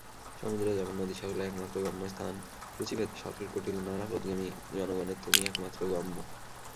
সমুদ্র যেমন নদীসকলের একমাত্র গম্যস্থান, রুচিভেদে সরল-কুটিল নানাপথগামী জনগণের তুমিই একমাত্র গম্য।